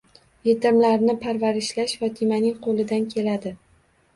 Yetimlarni parvarishlash Fotimaning qo'lidan keladi.